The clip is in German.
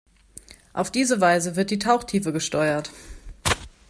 Auf diese Weise wird die Tauchtiefe gesteuert.